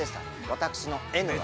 私のＮは。